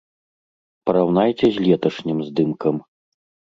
Параўнайце з леташнім здымкам.